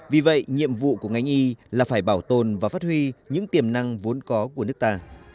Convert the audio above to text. vì vậy nhiệm vụ của ngành y là phải bảo tồn và phát huy những tiềm năng vốn có của nước ta